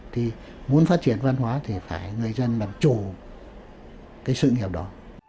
thì muốn phát triển văn hóa thì phải người dân làm chủ cái sự nghiệp đó